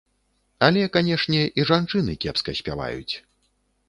Але, канешне, і жанчыны кепска спяваюць.